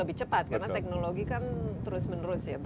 lebih cepat karena teknologi kan terus menerus ya